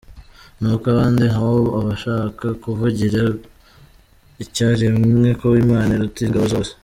Nuko abandi nabo, abashaka kuvugira icyarimwe ko Imana iruta ingabo zose.